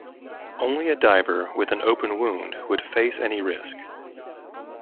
Only a diver with an open wound would face any risk.